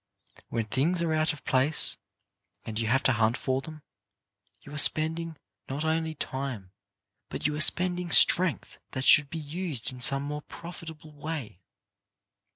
When things are out of place and you have to hunt for them, you are spending not only time, but you are spending strength that should be used in some more profit able way.